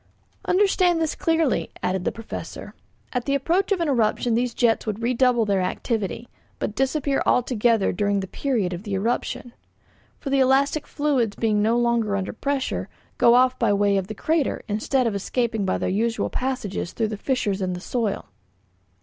"Understand this clearly," added the Professor. "At the approach of an eruption these jets would redouble their activity, but disappear altogether during the period of the eruption. For the elastic fluids, being no longer under pressure, go off by way of the crater instead of escaping by their usual passages through the fissures in the soil.